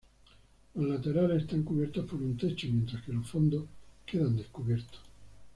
Los laterales están cubiertos por un techo, mientras que los fondos quedan descubiertos.